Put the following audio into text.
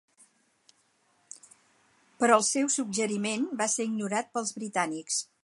Però el seu suggeriment va ser ignorat pels britànics.